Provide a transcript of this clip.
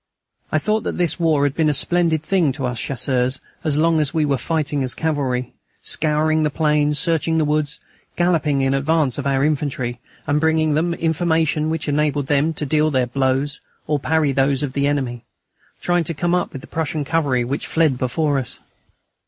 I thought that this war had been a splendid thing to us Chasseurs as long as we were fighting as cavalry, scouring the plains, searching the woods, galloping in advance of our infantry, and bringing them information which enabled them to deal their blows or parry those of the enemy, trying to come up with the Prussian cavalry which fled before us.